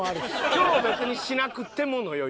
「今日別にしなくても」の余裕。